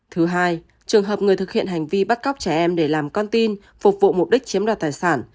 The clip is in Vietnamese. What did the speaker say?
thứ hai trường hợp người thực hiện hành vi bắt cóc trẻ em để làm con tin phục vụ mục đích chiếm đoạt tài sản